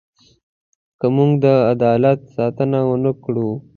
که موږ د عدالت ساتنه ونه کړو.